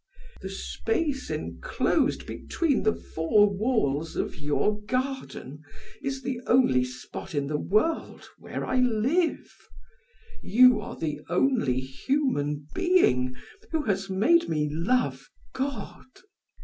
The space enclosed between the four walls of your garden is the only spot in the world where I live; you are the only human being who has made me love God.